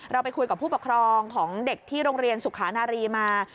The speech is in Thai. ไปคุยกับผู้ปกครองของเด็กที่โรงเรียนสุขานารีมา